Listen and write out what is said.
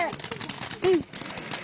うん。